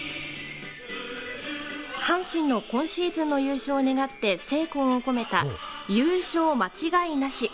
阪神の今シーズンの優勝を願って精魂を込めた、優勝まちがい梨。